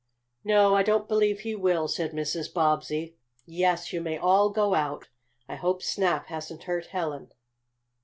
"No, I don't believe he will," said Mrs. Bobbsey. "Yes, you may all go out. I hope Snap hasn't hurt Helen."